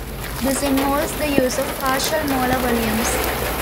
This involves the use of partial molar volumes.